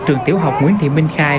trường tiểu học nguyễn thị minh khai